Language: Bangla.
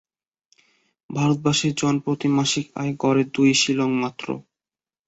ভারতবাসীর জনপ্রতি মাসিক আয় গড়ে দুই শিলিং মাত্র।